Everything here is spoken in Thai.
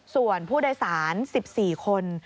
ส่วนผู้ใดศาล๑๔คน